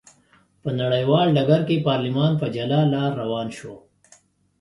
په نړیوال ډګر کې پارلمان په جلا لار روان شو.